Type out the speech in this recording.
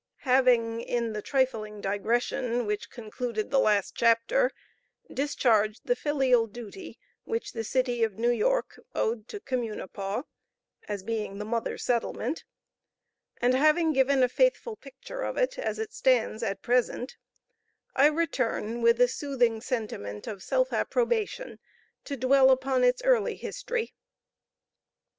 Having in the trifling digression which concluded the last chapter discharged the filial duty which the city of New York owed to Communipaw, as being the mother settlement; and having given a faithful picture of it as it stands at present, I return with a soothing sentiment of self approbation to dwell upon its early history.